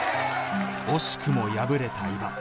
惜しくも敗れた伊庭